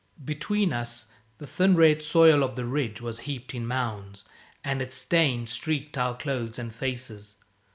Between us the thin red soil of the ridge was heaped in mounds, and its stain streaked our clothes and faces.